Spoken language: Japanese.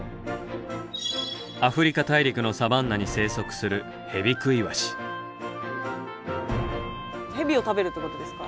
アフリカ大陸のサバンナに生息するヘビを食べるってことですか？